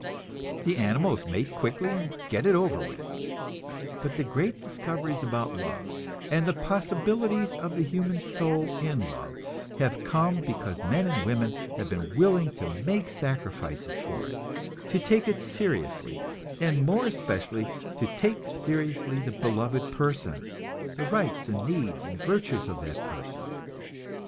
The animals mate quickly and get it over with; but the great discoveries about love, and the possibilities of the human soul in love, have come because men and women have been willing to make sacrifices for it, to take it seriously and more especially to take seriously the beloved person, the rights and needs and virtues of that person.